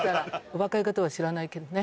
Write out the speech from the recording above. お若い方は知らないけどね。